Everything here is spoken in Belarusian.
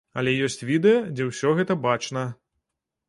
Але ёсць відэа, дзе ўсё гэта бачна.